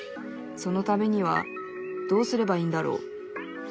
そのためにはどうすればいいんだろう。